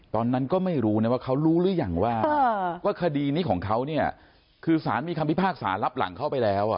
ตอนนั้นก็ไม่รู้นะว่าเขารู้หรือยังว่าคดีนี้ของเขาเนี่ยคือสารมีคำพิพากษารับหลังเข้าไปแล้ว